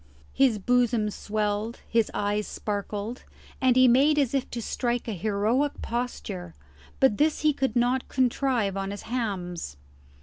His bosom swelled, his eyes sparkled, and he made as if to strike a heroic posture, but this he could not contrive on his hams.